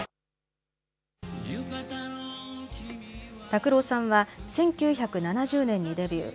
拓郎さんは１９７０年にデビュー。